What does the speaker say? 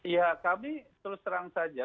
ya kami terus terang saja